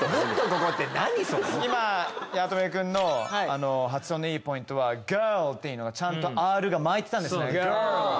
八乙女君の発音のいいポイントは「ガール」っていうのがちゃんとアールが巻いてたんですね。